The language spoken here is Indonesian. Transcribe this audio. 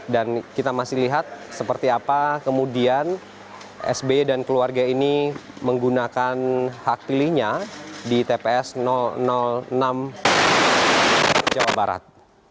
dan kita masih lihat seperti apa kemudian sby dan keluarga ini menggunakan hak pilihnya di tps enam jawa barat